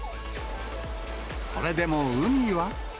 それでも海は。